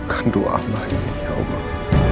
sedih apa langsung ya allah